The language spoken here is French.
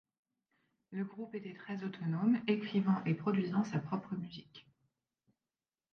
Le groupe était très autonome, écrivant et produisant sa propre musique.